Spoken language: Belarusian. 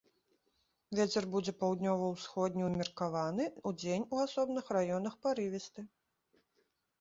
Вецер будзе паўднёва-ўсходні ўмеркаваны, удзень у асобных раёнах парывісты.